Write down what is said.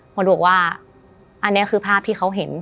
เขาบอกว่าอันนี้คือภาพที่เขาเห็น